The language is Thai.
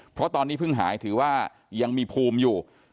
เพราะตอนนี้เพิ่งหายถือว่ายังมีภูมิอยู่